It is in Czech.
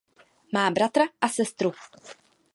Má bratra a sestru.